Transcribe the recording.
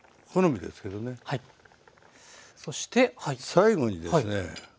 最後にですね